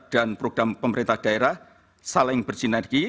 dan program pemerintah daerah saling bersinergi